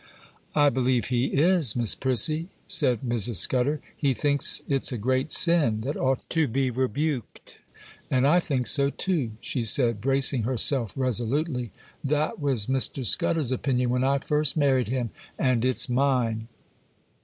'I believe he is, Miss Prissy,' said Mrs. Scudder; 'he thinks it's a great sin that ought to be rebuked, and I think so too,' she said, bracing herself resolutely; 'that was Mr. Scudder's opinion when I first married him, and it's mine.